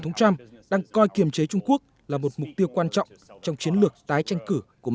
thống trump đang coi kiềm chế trung quốc là một mục tiêu quan trọng trong chiến lược tái tranh cử của